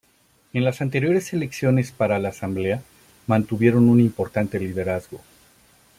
En las anteriores elecciones para la Asamblea, mantuvieron un importante liderazgo.